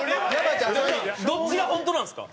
どっちが本当なんですか？